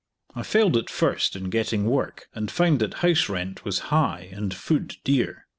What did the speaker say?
I failed at first in getting work, and found that house rent was high and food dear.